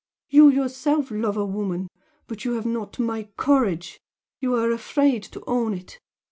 You yourself love a woman but you have not my courage! you are afraid to own it!